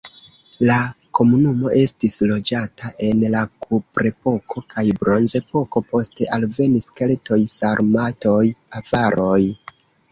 La komunumo estis loĝata en la kuprepoko kaj bronzepoko, poste alvenis keltoj, sarmatoj, avaroj.